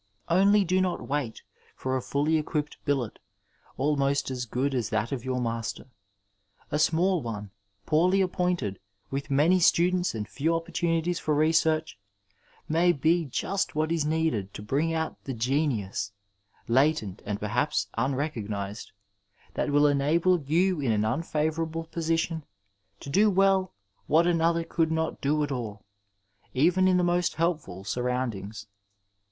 Only do not wait lor a fully equipped billet ahnost as good as that of your master. A small one, poorly appointed, with many stu dents and few opportunities for research, may be just what is needed to bring out the genius— latent and perhaps unrecognized — ^that will enable you in an unfavourable position to do well what another could not do at all, even in the most helpful surroundings.